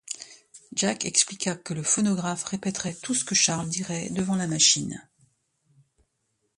Jack expliqua que le phonographe répéterait tout ce que Charles dirait devant la machine.